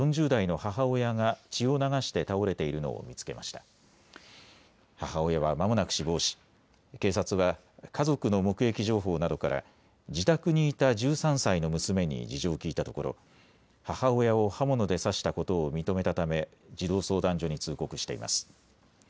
母親はまもなく死亡し警察は家族の目撃情報などから自宅にいた１３歳の娘に事情を聞いたところ母親を刃物で刺したことを認めたため児童相談所に通告しています。